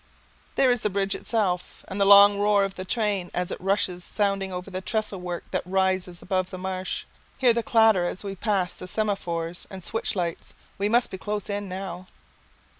There is the bridge itself, and the long roar of the train as it rushes sounding over the trestle work that rises above the marsh. Hear the clatter as we pass the semaphores and switch lights! We must be close in now!